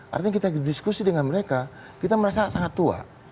artinya kita diskusi dengan mereka kita merasa sangat tua